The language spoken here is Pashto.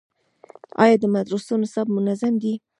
آیا د مدرسو نصاب منظم دی؟